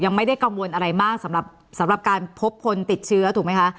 ไม่ได้กังวลอะไรมากสำหรับการพบคนติดเชื้อถูกไหมคะ